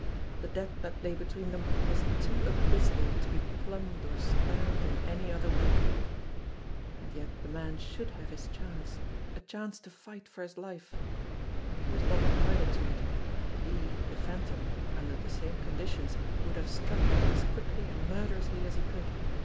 The debt that lay between them was too abysmal to be plumbed or spanned in any other way. And yet the man should have his chance ; a chance to fight for his life. He was not entitled to it; he, the Phantom, under the same conditions would have struck as quickly and murderously as he could.